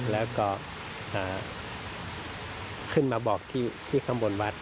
แล้วก็ขึ้นมาบอกที่ข้างบนวัด